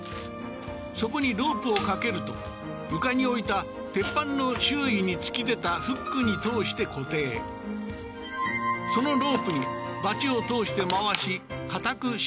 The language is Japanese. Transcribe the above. そこにロープをかけると床に置いた鉄板の周囲に突き出たフックに通して固定そのロープにバチを通して回し硬く締め上げていく